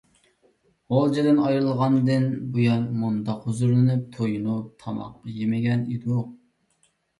غۇلجىدىن ئايرىلغاندىن بۇيان، مۇنداق ھۇزۇرلىنىپ، تويۇنۇپ تاماق يېمىگەن ئىدۇق.